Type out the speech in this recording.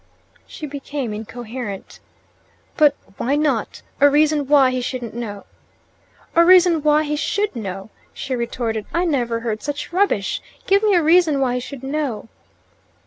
She became incoherent. "But WHY not? A reason why he shouldn't know." "A reason why he SHOULD know," she retorted. "I never heard such rubbish! Give me a reason why he should know."